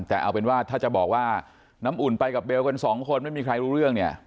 แต่เอาเป็นว่าถ้าจะบอกว่าน้ำอุ่นไปกับเบลกันสองคนไม่มีใครรู้เรื่องเนี่ย